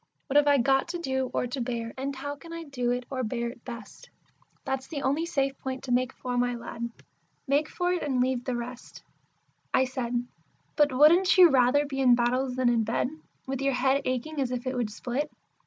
'What have I got to do or to bear; and how can I do it or bear it best?' That's the only safe point to make for, my lad. Make for it, and leave the rest!" I said, "But wouldn't you rather be in battles than in bed, with your head aching as if it would split?"